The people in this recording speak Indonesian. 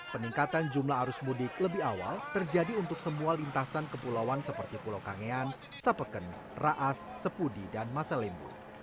peningkatan jumlah arus mudik lebih awal terjadi untuk semua lintasan kepulauan seperti pulau kangean sapeken raas sepudi dan masalimbu